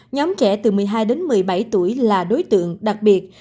nhóm trẻ từ một mươi hai đến một mươi bảy tuổi là đối tượng đặc biệt